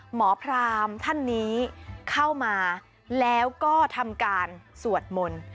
พรามท่านนี้เข้ามาแล้วก็ทำการสวดมนต์